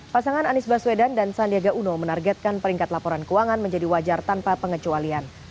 pasangan anies baswedan dan sandiaga uno menargetkan peringkat laporan keuangan menjadi wajar tanpa pengecualian